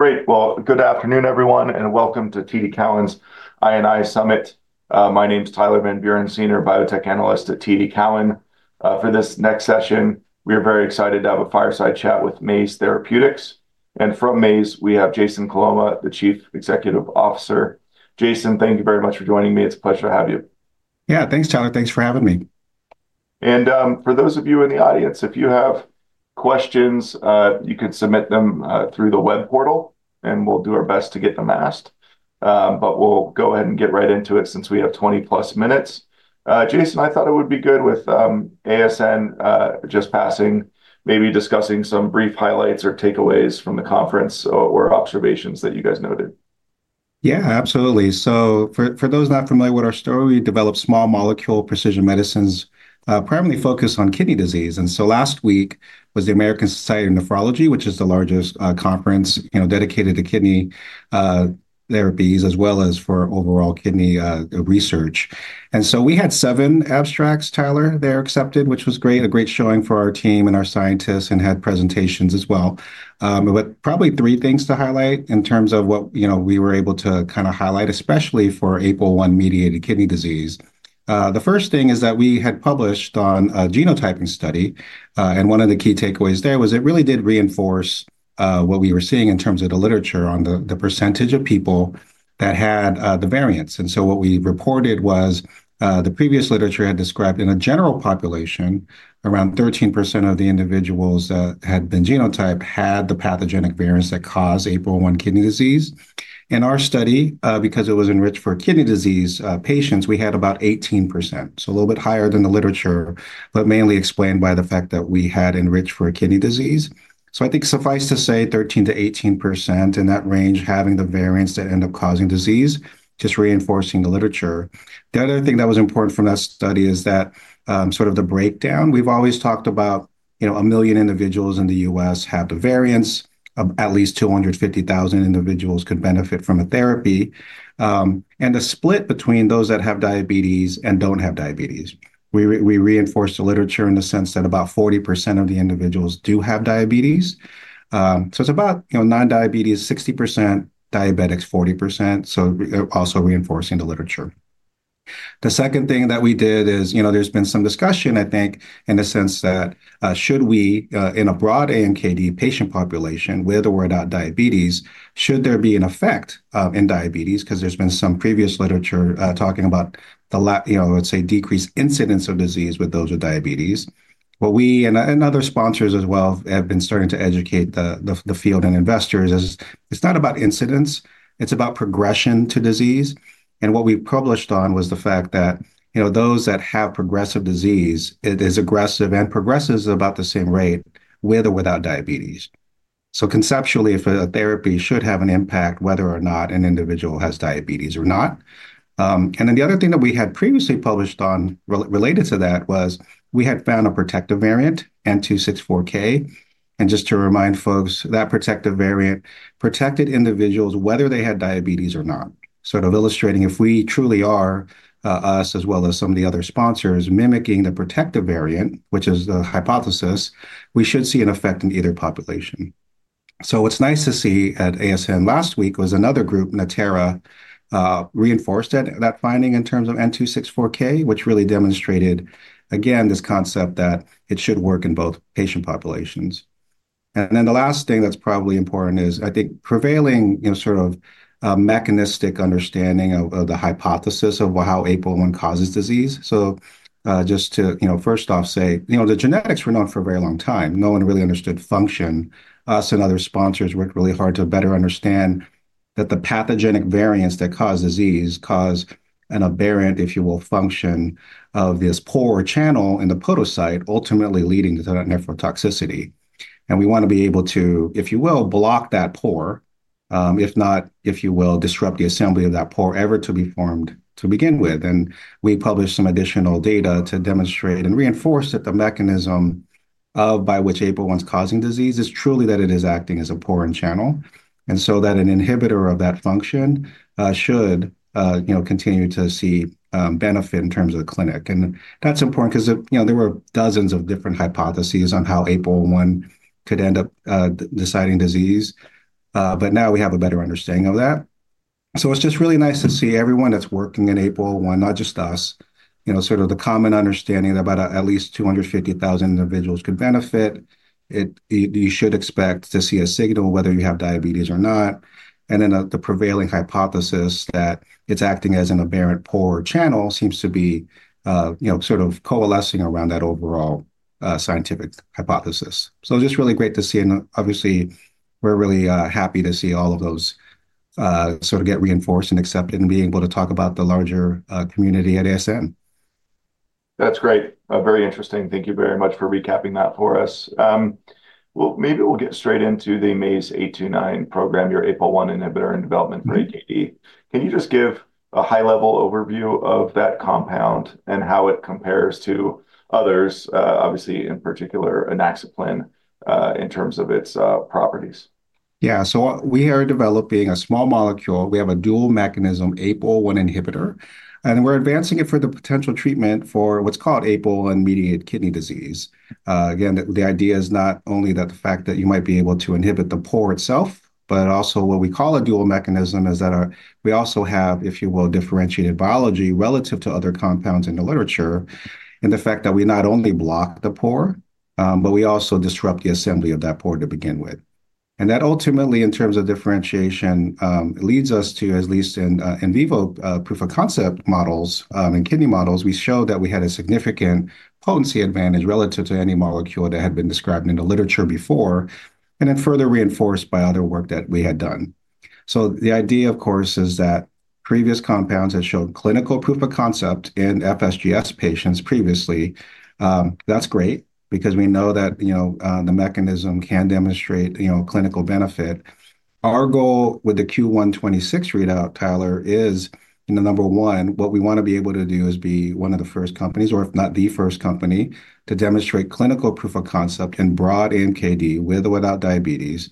Great. Good afternoon, everyone, and welcome to TD Cowen's I&I Summit. My name is Tyler Van Buren, Senior Biotech Analyst at TD Cowen. For this next session, we are very excited to have a fireside chat with Maze Therapeutics. From Maze, we have Jason Coloma, the Chief Executive Officer. Jason, thank you very much for joining me. It's a pleasure to have you. Yeah, thanks, Tyler. Thanks for having me. For those of you in the audience, if you have questions, you can submit them through the web portal, and we'll do our best to get them asked. We'll go ahead and get right into it since we have 20-plus minutes. Jason, I thought it would be good with ASN just passing, maybe discussing some brief highlights or takeaways from the conference or observations that you guys noted. Yeah, absolutely. For those not familiar with our story, we develop small molecule precision medicines, primarily focused on kidney disease. Last week was the American Society of Nephrology, which is the largest conference dedicated to kidney therapies, as well as for overall kidney research. We had seven abstracts, Tyler, that are accepted, which was great, a great showing for our team and our scientists and had presentations as well. Probably three things to highlight in terms of what we were able to kind of highlight, especially for APOL1-mediated kidney disease. The first thing is that we had published on a genotyping study. One of the key takeaways there was it really did reinforce what we were seeing in terms of the literature on the percentage of people that had the variants. What we reported was the previous literature had described in a general population, around 13% of the individuals that had been genotyped had the pathogenic variants that cause APOL1 kidney disease. In our study, because it was enriched for kidney disease patients, we had about 18%, so a little bit higher than the literature, but mainly explained by the fact that we had enriched for kidney disease. I think suffice to say 13%-18% in that range, having the variants that end up causing disease, just reinforcing the literature. The other thing that was important from that study is that sort of the breakdown. We've always talked about a million individuals in the U.S. have the variants, at least 250,000 individuals could benefit from a therapy, and a split between those that have diabetes and do not have diabetes. We reinforced the literature in the sense that about 40% of the individuals do have diabetes. It is about non-diabetes, 60%, diabetics, 40%, also reinforcing the literature. The second thing that we did is there has been some discussion, I think, in the sense that should we, in a broad AMKD patient population, whether or not diabetes, should there be an effect in diabetes? There has been some previous literature talking about the, let's say, decreased incidence of disease with those with diabetes. We and other sponsors as well have been starting to educate the field and investors as it is not about incidence, it is about progression to disease. What we published on was the fact that those that have progressive disease, it is aggressive and progresses at about the same rate with or without diabetes. Conceptually, if a therapy should have an impact, whether or not an individual has diabetes or not. The other thing that we had previously published on related to that was we had found a protective variant, N264K. Just to remind folks, that protective variant protected individuals, whether they had diabetes or not. Sort of illustrating if we truly are us, as well as some of the other sponsors mimicking the protective variant, which is the hypothesis, we should see an effect in either population. What's nice to see at ASN last week was another group, Natera, reinforced that finding in terms of N264K, which really demonstrated, again, this concept that it should work in both patient populations. The last thing that's probably important is, I think, prevailing sort of mechanistic understanding of the hypothesis of how APOL1 causes disease. Just to first off say, the genetics were known for a very long time. No one really understood function. Us and other sponsors worked really hard to better understand that the pathogenic variants that cause disease cause an aberrant, if you will, function of this pore channel in the podocyte, ultimately leading to that nephrotoxicity. We want to be able to, if you will, block that pore, if not, if you will, disrupt the assembly of that pore ever to be formed to begin with. We published some additional data to demonstrate and reinforce that the mechanism by which APOL1 is causing disease is truly that it is acting as a pore channel, and so that an inhibitor of that function should continue to see benefit in terms of the clinic. That is important because there were dozens of different hypotheses on how APOL1 could end up deciding disease. Now we have a better understanding of that. It is just really nice to see everyone that is working in APOL1, not just us, sort of the common understanding about at least 250,000 individuals could benefit. You should expect to see a signal whether you have diabetes or not. The prevailing hypothesis that it is acting as an aberrant pore channel seems to be sort of coalescing around that overall scientific hypothesis. It is just really great to see. Obviously, we are really happy to see all of those sort of get reinforced and accepted and being able to talk about the larger community at ASN. That's great. Very interesting. Thank you very much for recapping that for us. Maybe we'll get straight into the Maze 829 program, your APOL1 inhibitor in development for AMKD. Can you just give a high-level overview of that compound and how it compares to others, obviously, in particular, inaxaplin in terms of its properties? Yeah. We are developing a small molecule. We have a dual mechanism APOL1 inhibitor. We are advancing it for the potential treatment for what is called APOL1-mediated kidney disease. The idea is not only that you might be able to inhibit the pore itself, but also what we call a dual mechanism is that we also have, if you will, differentiated biology relative to other compounds in the literature and the fact that we not only block the pore, but we also disrupt the assembly of that pore to begin with. That ultimately, in terms of differentiation, leads us to, at least in in vivo proof of concept models and kidney models, we show that we had a significant potency advantage relative to any molecule that had been described in the literature before and then further reinforced by other work that we had done. The idea, of course, is that previous compounds have shown clinical proof of concept in FSGS patients previously. That's great because we know that the mechanism can demonstrate clinical benefit. Our goal with the Q1 26 readout, Tyler, is number one, what we want to be able to do is be one of the first companies, or if not the first company, to demonstrate clinical proof of concept in broad AMKD with or without diabetes.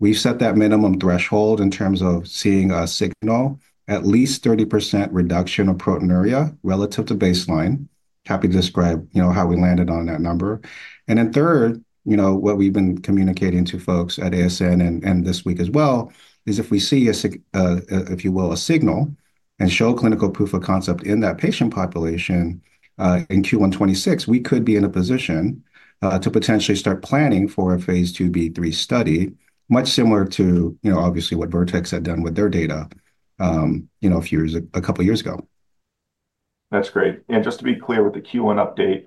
We set that minimum threshold in terms of seeing a signal, at least 30% reduction of proteinuria relative to baseline. Happy to describe how we landed on that number. What we've been communicating to folks at ASN and this week as well is if we see, if you will, a signal and show clinical proof of concept in that patient population in Q1 2026, we could be in a position to potentially start planning for a phase IIb/III study, much similar to, obviously, what Vertex had done with their data a couple of years ago. That's great. Just to be clear with the Q1 update,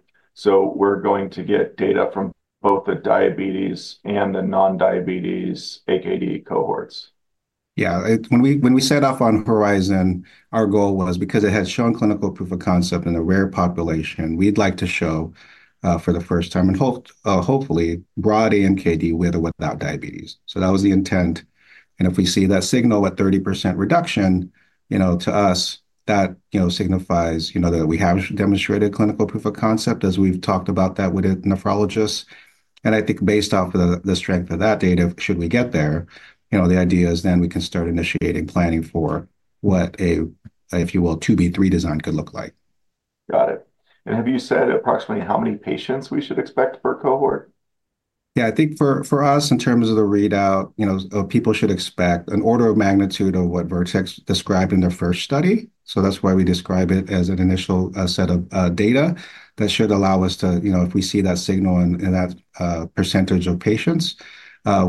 we're going to get data from both the diabetes and the non-diabetes AMKD cohorts. Yeah. When we set off on Horizon, our goal was because it had shown clinical proof of concept in a rare population, we'd like to show for the first time and hopefully broad AMKD with or without diabetes. That was the intent. If we see that signal at 30% reduction, to us, that signifies that we have demonstrated clinical proof of concept, as we've talked about that with nephrologists. I think based off of the strength of that data, should we get there, the idea is then we can start initiating planning for what a, if you will, 2Be3 design could look like. Got it. Have you said approximately how many patients we should expect per cohort? Yeah. I think for us, in terms of the readout, people should expect an order of magnitude of what Vertex described in their first study. That is why we describe it as an initial set of data that should allow us to, if we see that signal and that percentage of patients,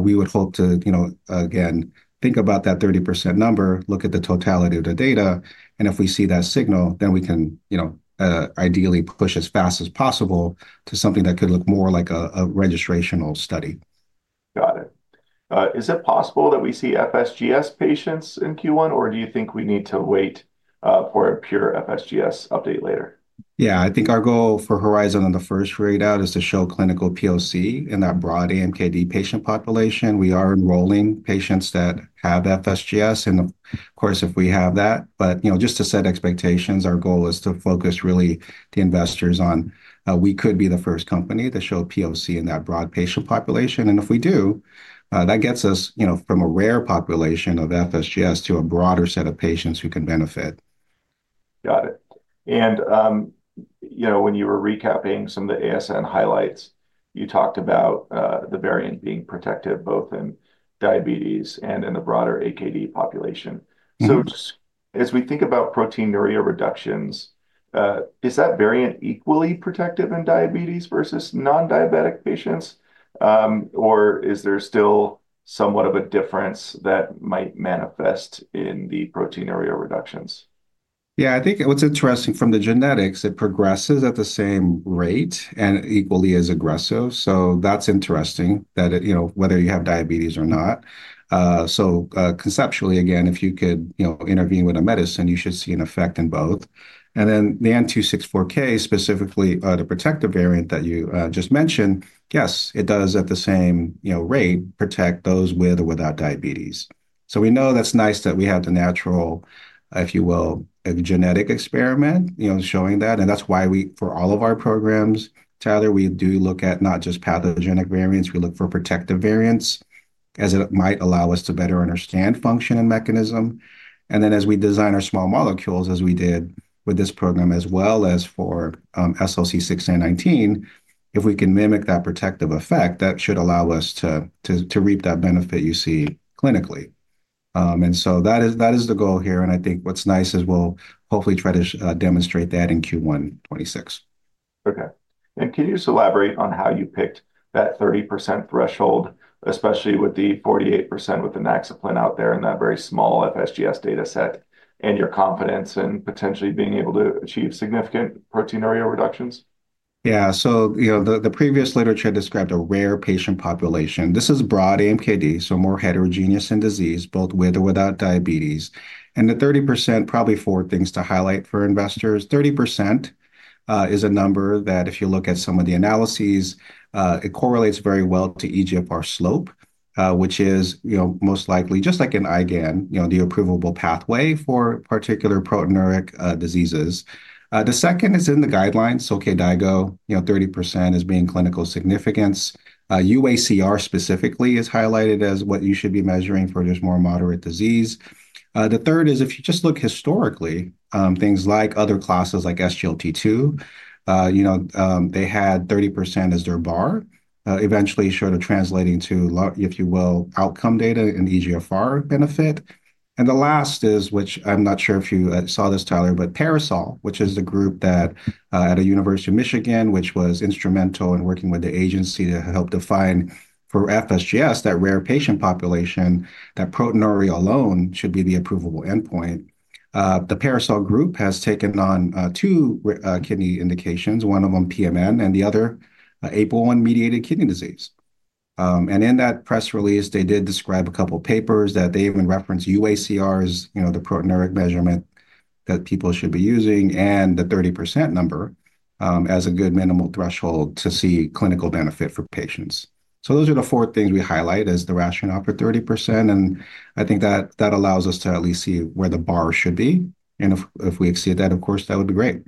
we would hope to, again, think about that 30% number, look at the totality of the data. If we see that signal, then we can ideally push as fast as possible to something that could look more like a registrational study. Got it. Is it possible that we see FSGS patients in Q1, or do you think we need to wait for a pure FSGS update later? Yeah. I think our goal for Horizon on the first readout is to show clinical POC in that broad AMKD patient population. We are enrolling patients that have FSGS, of course, if we have that. Just to set expectations, our goal is to focus really the investors on we could be the first company to show POC in that broad patient population. If we do, that gets us from a rare population of FSGS to a broader set of patients who can benefit. Got it. When you were recapping some of the ASN highlights, you talked about the variant being protective both in diabetes and in the broader AKD population. As we think about proteinuria reductions, is that variant equally protective in diabetes versus non-diabetic patients, or is there still somewhat of a difference that might manifest in the proteinuria reductions? Yeah. I think what's interesting from the genetics, it progresses at the same rate and equally as aggressive. That's interesting that whether you have diabetes or not. Conceptually, again, if you could intervene with a medicine, you should see an effect in both. The N264K, specifically the protective variant that you just mentioned, yes, it does at the same rate protect those with or without diabetes. We know that's nice that we have the natural, if you will, genetic experiment showing that. That's why for all of our programs, Tyler, we do look at not just pathogenic variants, we look for protective variants as it might allow us to better understand function and mechanism. As we design our small molecules, as we did with this program, as well as for SLC6A19, if we can mimic that protective effect, that should allow us to reap that benefit you see clinically. That is the goal here. I think what's nice is we'll hopefully try to demonstrate that in Q1 2026. Okay. Can you just elaborate on how you picked that 30% threshold, especially with the 48% with inaxaplin out there in that very small FSGS data set and your confidence in potentially being able to achieve significant proteinuria reductions? Yeah. The previous literature described a rare patient population. This is broad AMKD, so more heterogeneous in disease, both with or without diabetes. The 30%, probably four things to highlight for investors. 30% is a number that if you look at some of the analyses, it correlates very well to eGFR slope, which is most likely just like in IGAN, the approvable pathway for particular proteinuric diseases. The second is in the guidelines, so KDIGO, 30% as being clinical significance. UACR specifically is highlighted as what you should be measuring for this more moderate disease. The third is if you just look historically, things like other classes like SGLT2, they had 30% as their bar, eventually short of translating to, if you will, outcome data and eGFR benefit. The last is, which I'm not sure if you saw this, Tyler, but Parasol, which is the group at University of Michigan, which was instrumental in working with the agency to help define for FSGS that rare patient population, that proteinuria alone should be the approvable endpoint. The Parasol group has taken on two kidney indications, one of them PMN and the other APOL1-mediated kidney disease. In that press release, they did describe a couple of papers that even referenced UACRs, the proteinuric measurement that people should be using, and the 30% number as a good minimal threshold to see clinical benefit for patients. Those are the four things we highlight as the rationale for 30%. I think that allows us to at least see where the bar should be. If we exceed that, of course, that would be great.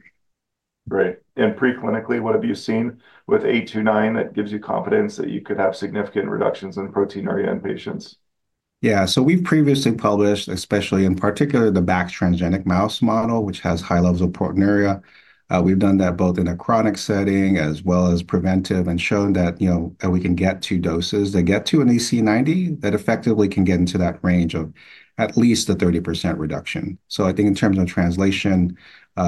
Great. Preclinically, what have you seen with A-29 that gives you confidence that you could have significant reductions in proteinuria in patients? Yeah. So we've previously published, especially in particular the BAC transgenic mouse model, which has high levels of proteinuria. We've done that both in a chronic setting as well as preventive and shown that we can get to doses that get to an AC90 that effectively can get into that range of at least a 30% reduction. I think in terms of translation,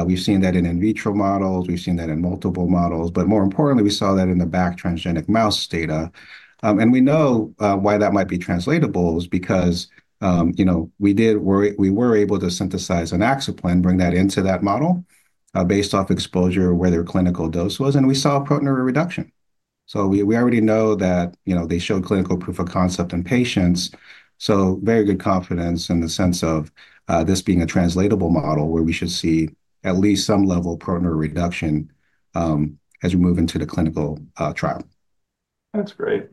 we've seen that in in vitro models. We've seen that in multiple models. More importantly, we saw that in the BAC transgenic mouse data. We know why that might be translatable is because we were able to synthesize inaxaplin, bring that into that model based off exposure, where their clinical dose was, and we saw proteinuria reduction. We already know that they showed clinical proof of concept in patients. Very good confidence in the sense of this being a translatable model where we should see at least some level of proteinuria reduction as we move into the clinical trial. That's great.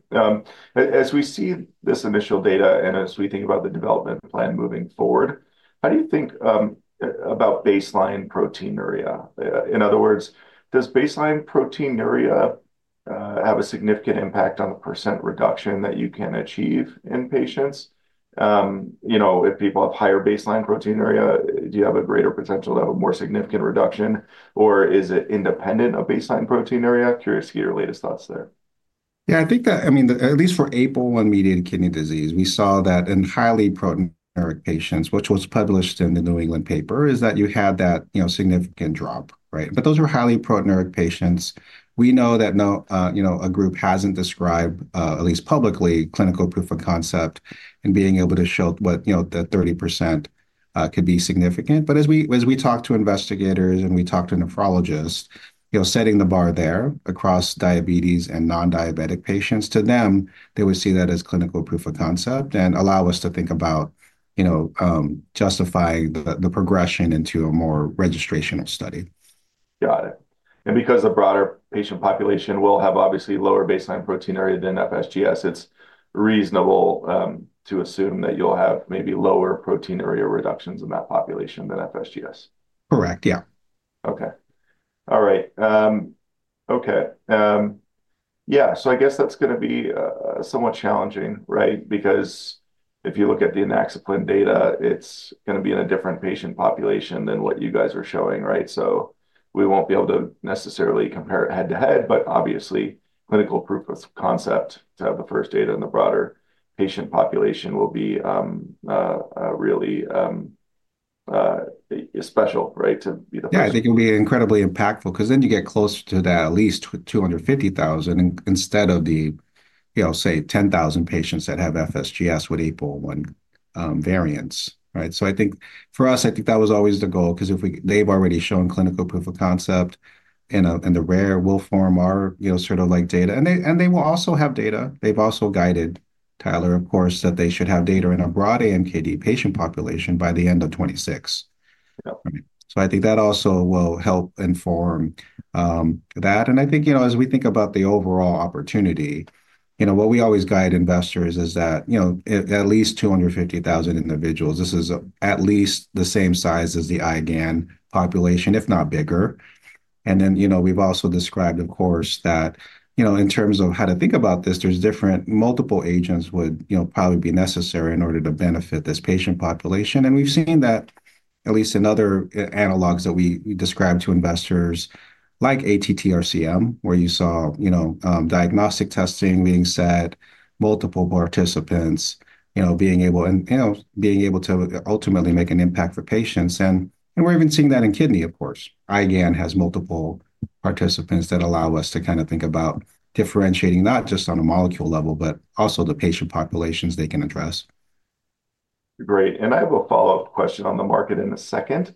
As we see this initial data and as we think about the development plan moving forward, how do you think about baseline proteinuria? In other words, does baseline proteinuria have a significant impact on the % reduction that you can achieve in patients? If people have higher baseline proteinuria, do you have a greater potential to have a more significant reduction, or is it independent of baseline proteinuria? Curious to get your latest thoughts there. Yeah. I think that, I mean, at least for APOL1-mediated kidney disease, we saw that in highly proteinuric patients, which was published in the New England paper, is that you had that significant drop, right? Those were highly proteinuric patients. We know that a group has not described, at least publicly, clinical proof of concept and being able to show that 30% could be significant. As we talk to investigators and we talk to nephrologists, setting the bar there across diabetes and non-diabetic patients, to them, they would see that as clinical proof of concept and allow us to think about justifying the progression into a more registrational study. Got it. Because the broader patient population will have obviously lower baseline proteinuria than FSGS, it's reasonable to assume that you'll have maybe lower proteinuria reductions in that population than FSGS. Correct. Yeah. Okay. All right. Okay. Yeah. I guess that's going to be somewhat challenging, right? Because if you look at the inaxaplin data, it's going to be in a different patient population than what you guys are showing, right? We won't be able to necessarily compare it head to head, but obviously, clinical proof of concept to have the first data in the broader patient population will be really special, right, to be the first. Yeah. I think it'll be incredibly impactful because then you get close to that, at least 250,000 instead of the, say, 10,000 patients that have FSGS with APOL1 variants, right? I think for us, I think that was always the goal because they've already shown clinical proof of concept, and the rare will form our sort of like data. They will also have data. They've also guided, Tyler, of course, that they should have data in a broad AMKD patient population by the end of 2026. I think that also will help inform that. I think as we think about the overall opportunity, what we always guide investors is that at least 250,000 individuals, this is at least the same size as the IGAN population, if not bigger. We have also described, of course, that in terms of how to think about this, different multiple agents would probably be necessary in order to benefit this patient population. We have seen that at least in other analogs that we describe to investors like ATTR-CM, where you saw diagnostic testing being set, multiple participants being able to ultimately make an impact for patients. We are even seeing that in kidney, of course. IGAN has multiple participants that allow us to kind of think about differentiating not just on a molecule level, but also the patient populations they can address. Great. I have a follow-up question on the market in a second.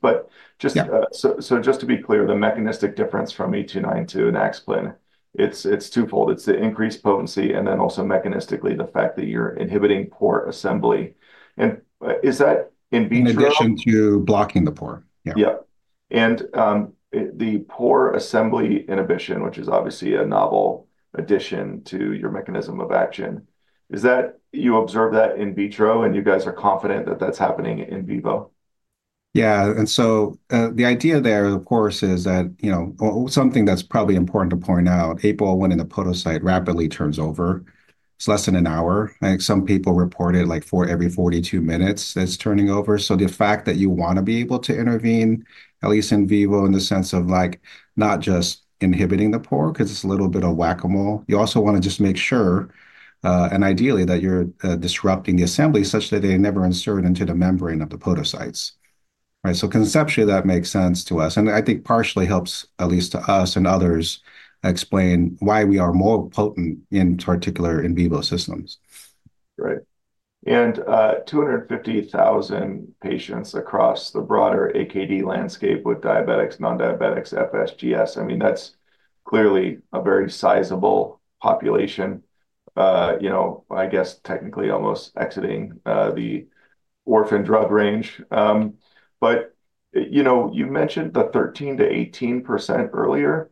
Just to be clear, the mechanistic difference from A-29 to inaxaplin, it is twofold. It is the increased potency and then also mechanistically the fact that you are inhibiting pore assembly. Is that in Vitro? In addition to blocking the pore. Yeah. Yep. The pore assembly inhibition, which is obviously a novel addition to your mechanism of action, is that you observe that in Vitro and you guys are confident that that's happening in vivo? Yeah. The idea there, of course, is that something that's probably important to point out, APOL1 in the podocyte rapidly turns over. It's less than an hour. I think some people reported like every 42 minutes that it's turning over. The fact that you want to be able to intervene, at least in vivo in the sense of not just inhibiting the pore because it's a little bit of whack-a-mole, you also want to just make sure, and ideally, that you're disrupting the assembly such that they never insert into the membrane of the podocytes, right? Conceptually, that makes sense to us. I think partially helps, at least to us and others, explain why we are more potent in particular in vivo systems. Great. 250,000 patients across the broader AMKD landscape with diabetics, non-diabetics, FSGS, I mean, that's clearly a very sizable population. I guess, technically almost exiting the orphan drug range. You mentioned the 13%-18% earlier.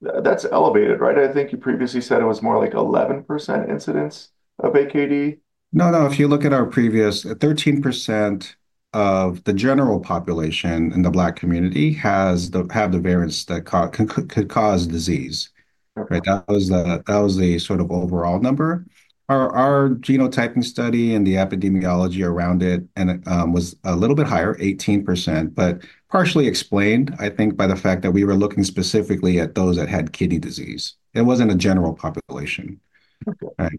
That's elevated, right? I think you previously said it was more like 11% incidence of AMKD. No, no. If you look at our previous, 13% of the general population in the Black community have the variants that could cause disease, right? That was the sort of overall number. Our genotyping study and the epidemiology around it was a little bit higher, 18%, but partially explained, I think, by the fact that we were looking specifically at those that had kidney disease. It was not a general population. I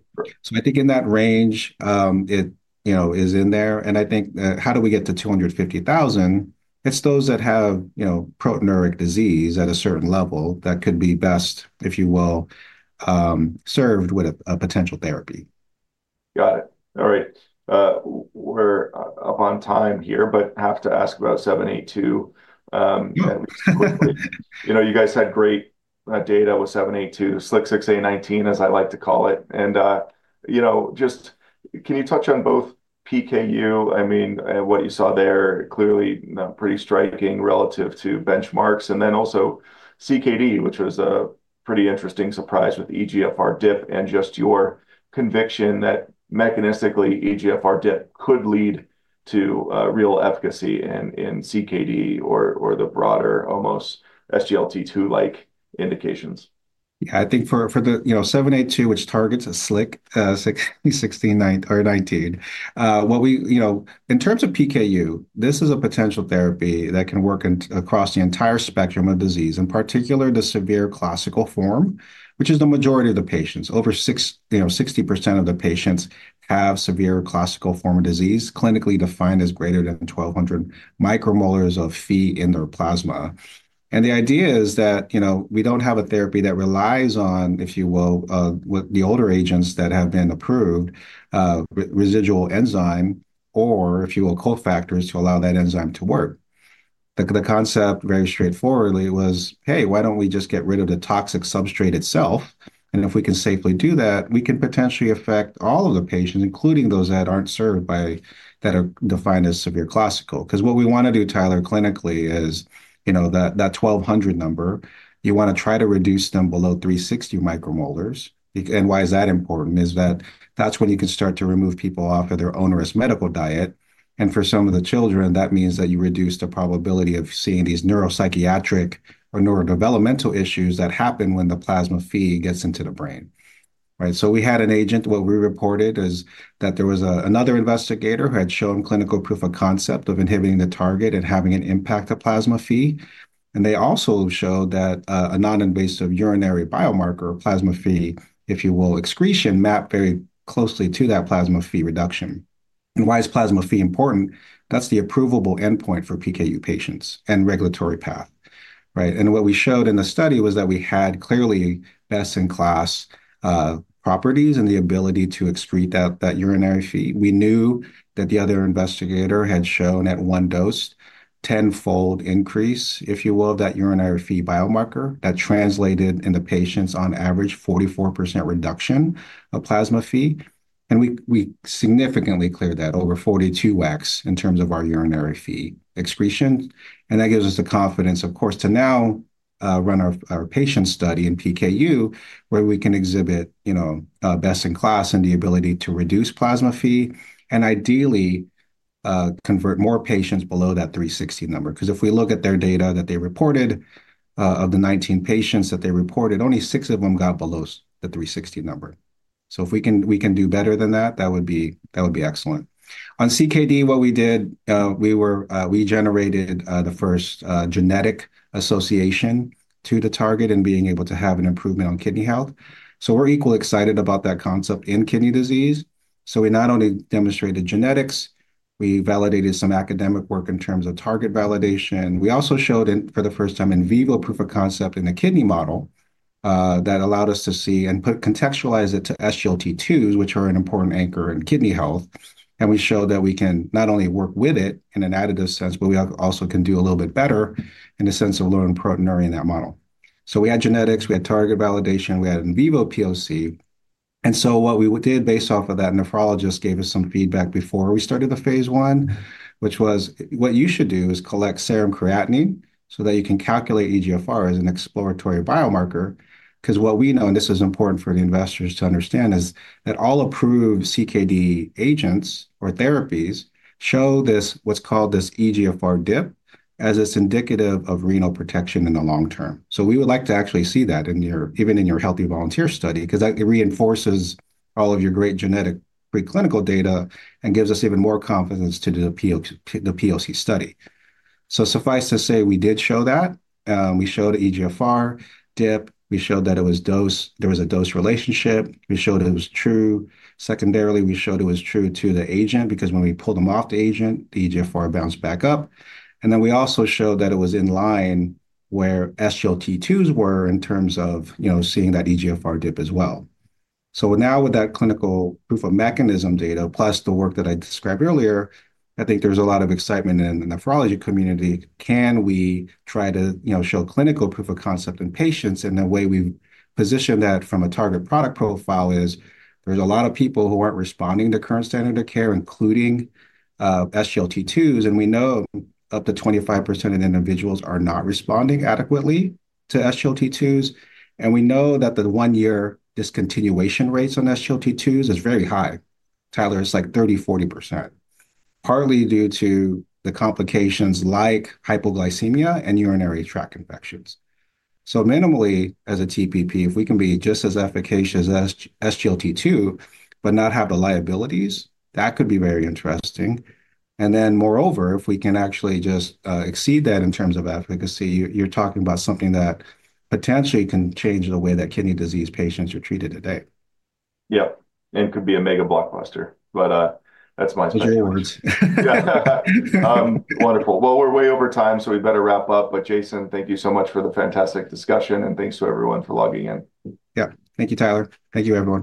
think in that range, it is in there. I think how do we get to 250,000? It is those that have proteinuric disease at a certain level that could be best, if you will, served with a potential therapy. Got it. All right. We're up on time here, but have to ask about 782. You guys had great data with 782, SLC6A19, as I like to call it. And just can you touch on both PKU? I mean, what you saw there clearly pretty striking relative to benchmarks. And then also CKD, which was a pretty interesting surprise with eGFR dip and just your conviction that mechanistically eGFR dip could lead to real efficacy in CKD or the broader almost SGLT2-like indications. Yeah. I think for the 782, which targets SLC6A19, in terms of PKU, this is a potential therapy that can work across the entire spectrum of disease, in particular the severe classical form, which is the majority of the patients. Over 60% of the patients have severe classical form of disease clinically defined as greater than 1,200 micromolars of Phe in their plasma. The idea is that we do not have a therapy that relies on, if you will, the older agents that have been approved, residual enzyme, or, if you will, cofactors to allow that enzyme to work. The concept, very straightforwardly, was, "Hey, why do not we just get rid of the toxic substrate itself?" If we can safely do that, we can potentially affect all of the patients, including those that are not served by, that are defined as severe classical. Because what we want to do, Tyler, clinically is that 1,200 number, you want to try to reduce them below 360 micromolars. Why is that important? That is when you can start to remove people off of their onerous medical diet. For some of the children, that means that you reduce the probability of seeing these neuropsychiatric or neurodevelopmental issues that happen when the plasma Phe gets into the brain, right? We had an agent. What we reported is that there was another investigator who had shown clinical proof of concept of inhibiting the target and having an impact of plasma Phe. They also showed that a non-invasive urinary biomarker, plasma Phe, if you will, excretion mapped very closely to that plasma Phe reduction. Why is plasma Phe important? That is the approvable endpoint for PKU patients and regulatory path, right? What we showed in the study was that we had clearly best-in-class properties and the ability to excrete that urinary Phe. We knew that the other investigator had shown at one dose a 10-fold increase, if you will, of that urinary Phe biomarker that translated in the patients on average 44% reduction of plasma Phe. We significantly cleared that over 42 weeks in terms of our urinary Phe excretion. That gives us the confidence, of course, to now run our patient study in PKU where we can exhibit best-in-class and the ability to reduce plasma Phe and ideally convert more patients below that 360 number. If we look at their data that they reported of the 19 patients that they reported, only six of them got below the 360 number. If we can do better than that, that would be excellent. On CKD, what we did, we generated the first genetic association to the target and being able to have an improvement on kidney health. We are equally excited about that concept in kidney disease. We not only demonstrated genetics, we validated some academic work in terms of target validation. We also showed for the first time in vivo proof of concept in the kidney model that allowed us to see and contextualize it to SGLT2s, which are an important anchor in kidney health. We showed that we can not only work with it in an additive sense, but we also can do a little bit better in the sense of lowering proteinuria in that model. We had genetics, we had target validation, we had in vivo POC. What we did based off of that, nephrologist gave us some feedback before we started the phase one, which was, "What you should do is collect serum creatinine so that you can calculate eGFR as an exploratory biomarker." Because what we know, and this is important for the investors to understand, is that all approved CKD agents or therapies show what's called this eGFR dip as it's indicative of renal protection in the long term. We would like to actually see that even in your healthy volunteer study because it reinforces all of your great genetic preclinical data and gives us even more confidence to do the POC study. Suffice to say, we did show that. We showed eGFR dip. We showed that there was a dose relationship. We showed it was true. Secondarily, we showed it was true to the agent because when we pulled them off the agent, the eGFR bounced back up. We also showed that it was in line where SGLT2s were in terms of seeing that eGFR dip as well. Now with that clinical proof of mechanism data plus the work that I described earlier, I think there's a lot of excitement in the nephrology community. Can we try to show clinical proof of concept in patients? The way we position that from a target product profile is there's a lot of people who aren't responding to current standard of care, including SGLT2s. We know up to 25% of the individuals are not responding adequately to SGLT2s. We know that the one-year discontinuation rates on SGLT2s is very high. Tyler, it's like 30-40%, partly due to the complications like hypoglycemia and urinary tract infections. Minimally, as a TPP, if we can be just as efficacious as SGLT2 but not have the liabilities, that could be very interesting. Moreover, if we can actually just exceed that in terms of efficacy, you're talking about something that potentially can change the way that kidney disease patients are treated today. Yep. Could be a mega blockbuster. That's my speculation. In other words. Wonderful. We are way over time, so we better wrap up. Jason, thank you so much for the fantastic discussion. Thanks to everyone for logging in. Yeah. Thank you, Tyler. Thank you, everyone.